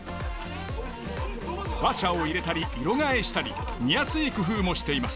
話者を入れたり色替えしたり見やすい工夫もしています。